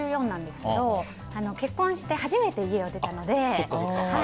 ６４なんですけど結婚して初めて家を出たので。